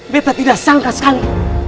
betta tidak sangka sekali